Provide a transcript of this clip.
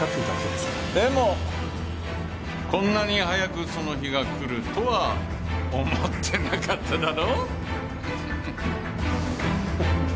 でもこんなに早くその日が来るとは思ってなかっただろ？